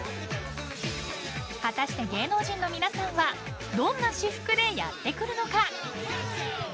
果たして芸能人の皆さんはどんな私服でやってくるのか。